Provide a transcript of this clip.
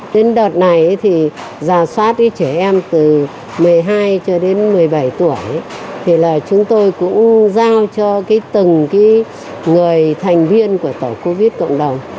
đến đợt này thì giả soát trẻ em từ một mươi hai cho đến một mươi bảy tuổi thì là chúng tôi cũng giao cho từng người thành viên của tổng covid cộng đồng